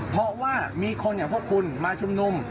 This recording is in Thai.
เพราะว่ามีคนอย่างพวกคุณมาชุมนุม